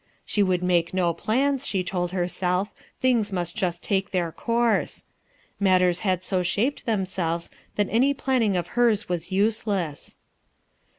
She would make no plans, she told herself* tilings must just take their course Matters had so shaped themselves that any planning of hers was useless.